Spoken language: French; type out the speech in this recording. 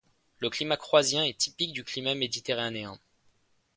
Le climat croisien est typique du climat méditerranéen.